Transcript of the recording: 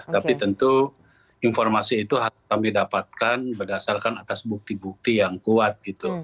tapi tentu informasi itu harus kami dapatkan berdasarkan atas bukti bukti yang kuat